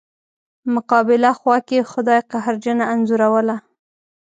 مقابله خوا کې خدای قهرجنه انځوروله.